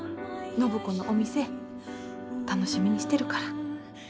暢子のお店楽しみにしてるから。